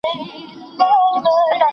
¬ مور که لېوه هم سي، خپل زوى نه خوري.